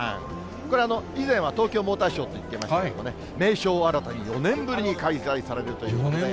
これ、以前は東京モーターショーといってましたけども、名称を新たに、４年ぶりに開催されるということで。